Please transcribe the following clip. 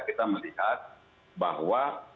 kita melihat bahwa